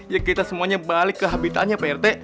ya kita semuanya balik ke habitatnya pak rt